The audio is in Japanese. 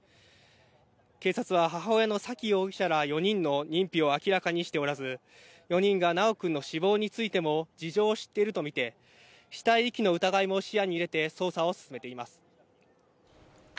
警察は母親の沙喜容疑者ら４人の認否を明らかにしておらず、４人が修くんの死亡についても事情を知っていると見て、死体遺棄の疑いも視野に入れて捜査を進めています。